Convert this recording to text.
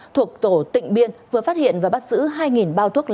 thuộc tổ tỉnh biên vừa phát hiện và bắt giữ hai bao thuốc lá